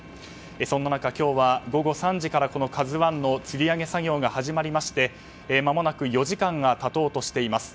そんな中、今日は午後３時から「ＫＡＺＵ１」のつり上げ作業が始まりましてまもなく４時間が経とうとしています。